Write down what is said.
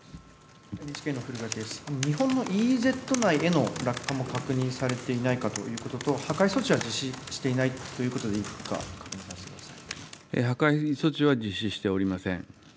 日本のＥＥＺ内への落下も確認されていないかということと、破壊措置は実施していないということでいいか、破壊措置は実施しておりません。